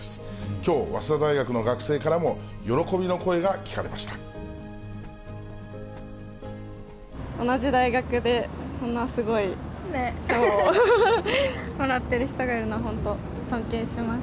きょう、早稲田大学の学生からも、同じ大学で、そんなすごい賞をもらっている人がいるのは、本当、尊敬します。